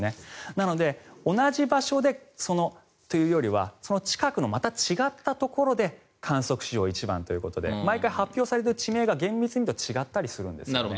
なので、同じ場所でというよりは近くのまた違ったところで観測史上一番ということで毎回発表される地名が厳密に言うと違ったりするんですね。